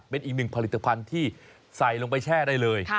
เป็นอีกหนึ่งผลิตภัณฑ์ที่ใส่ลงไปแช่ได้เลย